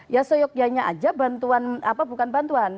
ya soyoknya aja bantuan bukan bantuan